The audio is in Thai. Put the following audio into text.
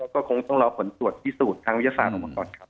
ก็คงต้องรอผลตรวจพิสูจน์ทางวิทยาศาสตร์ออกมาก่อนครับ